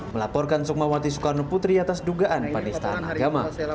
melaporkan sukmawati soekarno putri atas dugaan penistaan agama